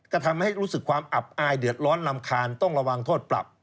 ก็ทำให้รู้สึกความอับอายเดือดร้อนรำคาญต้องระวังโทษปรับ